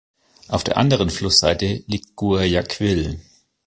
Auf der anderen Flussseite liegt Guayaquil.